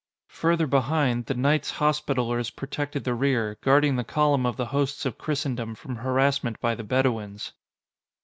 Further behind, the Knights Hospitallers protected the rear, guarding the column of the hosts of Christendom from harassment by the Bedouins.